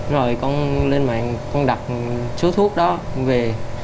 rồi con lên mạng con đặt số thuốc đó về